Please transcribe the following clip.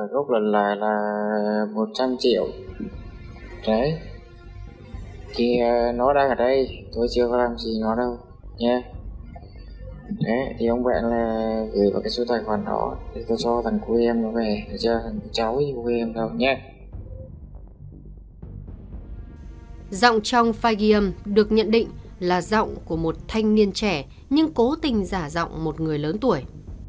giọng trong phai ghi âm được nhận định là giọng của một thanh niên trẻ nhưng cố tình giả giọng một người lớn tuổi